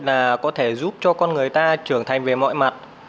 là có thể giúp cho con người ta trưởng thành về mọi mặt